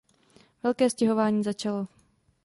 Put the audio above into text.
Velké stěhování začalo.